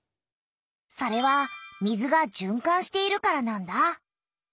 それは水がじゅんかんしているからなんだ。